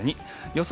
予想